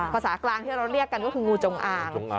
ภาษากลางที่เราเรียกกันก็คืองูจงอาง